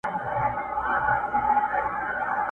سایله اوس دي پر دښتونو عزرائیل وګوره!.